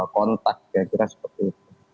kontak kira kira seperti itu